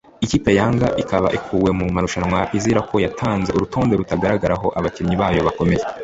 Ikipe ya Yanga ikaba ikuwe mu marushanwa izira ko yatanze urutonde rutagaragaraho abakinnyi bayo bakomeye